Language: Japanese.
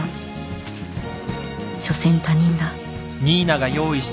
しょせん他人だ